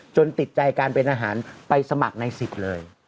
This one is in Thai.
ติดใจการเป็นอาหารไปสมัครในสิทธิ์เลย